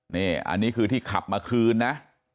นี่อันนี้คือที่ขับมาคืนนะ